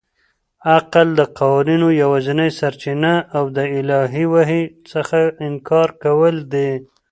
عقل د قوانینو یوازنۍ سرچینه او د الهي وحي څخه انکار کول دي.